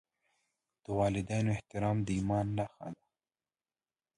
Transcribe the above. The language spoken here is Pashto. د والدینو احترام د ایمان نښه ده.